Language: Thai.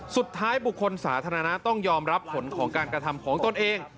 สุดท้ายบุคคลสาธารณะต้องยอมรับผลของการกระทำของตนเอง